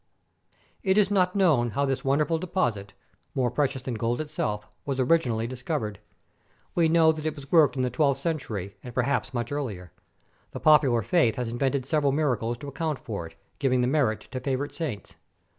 It is not known how this wonderful deposit — more precious than gold itself — was originally discovered. We know that it was worked in the twelfth century, and perhaps much earlier. The popular faith has invented several miracles to account for it, giving the merit to favorite saints.